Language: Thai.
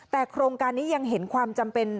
แต่โครงการนี้ยังเห็น